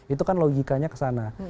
itu kan logikanya ke sana